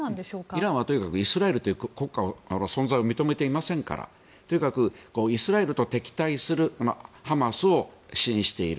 イランはとにかくイスラエルという国家の存在を認めませんからとにかくイスラエルと敵対するハマスを支援している。